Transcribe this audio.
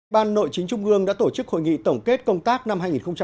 ban nội chính trung ương đã tổ chức hội nghị tổng kết công tác năm hai nghìn một mươi chín